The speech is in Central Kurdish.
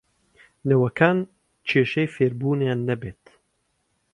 نەوەکان کێشەی فێربوونیان نەبێت